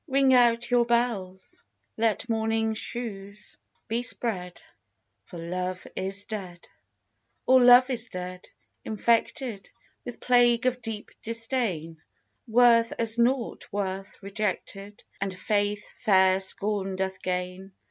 Ring out your bells, let mourning shews be spread; For Love is dead: All Love is dead, infected With plague of deep disdain: Worth, as nought worth, rejected, And Faith fair scorn doth gain.